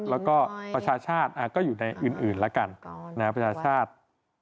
แล้วก็ประชาชาติก็อยู่ในอื่นแล้วกันประชาชาติ